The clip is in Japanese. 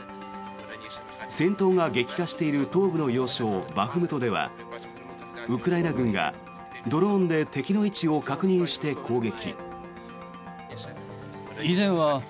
戦闘が激化している東部の要衝バフムトではウクライナ軍がドローンで敵の位置を確認して攻撃。